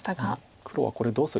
黒はこれどうするかです。